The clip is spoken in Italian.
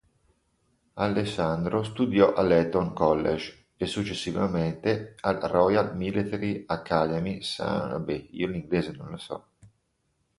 Alessandro studiò all'Eton College e successivamente all'Royal Military Academy Sandhurst.